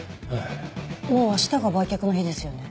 もう明日が売却の日ですよね？